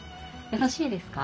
よろしいですか？